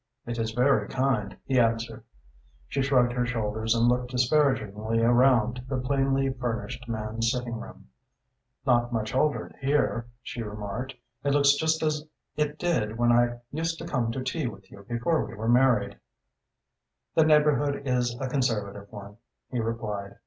"It is very kind," he answered. She shrugged her shoulders and looked disparagingly around the plainly furnished man's sitting room. "Not much altered here," she remarked. "It looks just as it did when I used to come to tea with you before we were married." "The neighbourhood is a conservative one," he replied.